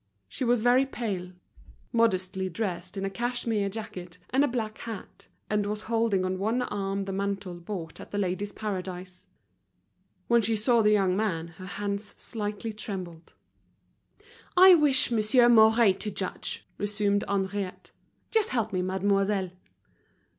She was very pale, modestly dressed in a cashmere jacket, and a black hat, and was holding on one arm the mantle bought at The Ladies' Paradise. When she saw the young man her hands slightly trembled. "I wish Monsieur Mouret to judge," resumed Henriette. "Just help me, mademoiselle."